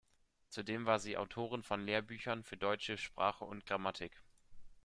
Zudem war sie Autorin von Lehrbüchern für deutsche Sprache und Grammatik.